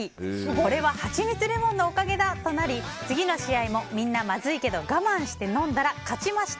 これはハチミツレモンのおかげだ！となり次の試合もみんなまずいけど我慢して飲んだら勝ちました。